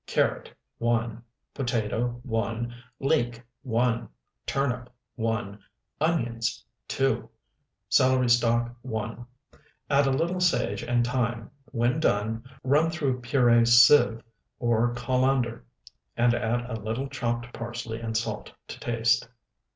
Carrot, 1. Potato, 1. Leek, 1. Turnip, 1. Onions, 2. Celery stalk, 1. Add a little sage and thyme. When done, run through puree sieve or colander, and add a little chopped parsley and salt to taste.